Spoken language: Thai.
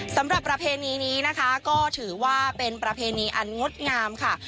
ประเพณีนี้นะคะก็ถือว่าเป็นประเพณีอันงดงามค่ะ